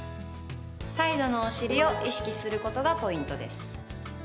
サイドのお尻を意識することがポイントです。